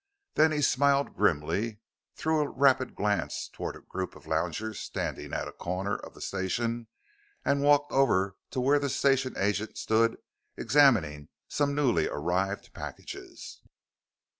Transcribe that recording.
Then he smiled grimly, threw a rapid glance toward a group of loungers standing at a corner of the station, and walked over to where the station agent stood examining some newly arrived packages.